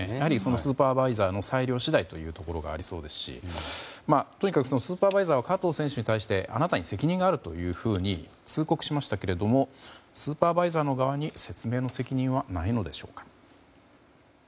スーパーバイザーの裁量次第というところがありそうですしとにかく、スーパーバイザーが加藤選手に対してあなたに責任があるというふうに通告しましたけれどもスーパーバイザーの側に説明の責任はないのでしょうか。